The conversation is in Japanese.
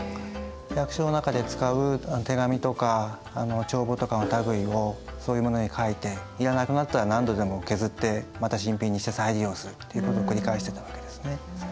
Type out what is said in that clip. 役所の中で使う手紙とか帳簿とかの類いをそういうものに書いていらなくなったら何度でも削ってまた新品にして再利用するっていうことを繰り返してたわけですね。